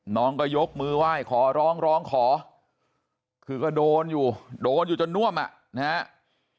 น้องก็ยกมือไหว้ขอร้องร้องขอคือก็โดนอยู่โดนอยู่จนน่วมอ่ะนะครับ